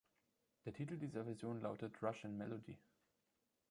Der Titel dieser Version lautet "Russian Melody".